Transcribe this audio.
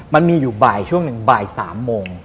มันมีอยู่บ่ายช่วงหนึ่งบ่าย๓โมง